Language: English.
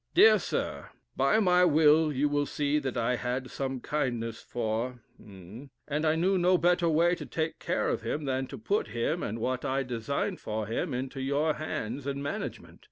"Dear Sir By my will, you will see that I had some kindness for And I knew no better way to take care of him, than to put him, and what I designed for him, into your hands and management.